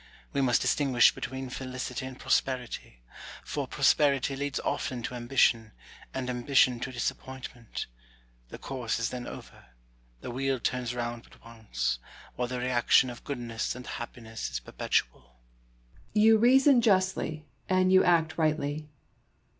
We must distinguish between felicity and prosperity ; for pros perity leads often to ambition, and ambition to disappoint ment : the course is then over ; the wheel turns round but once; while the reaction of goodness and happiness is perpetual. Brooke. You reason justly and you act rightly.